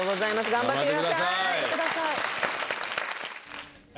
頑張ってください。